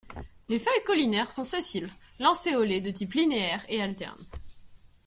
Les feuilles caulinaires sont sessiles, lanceolées de type linéaire et alternes.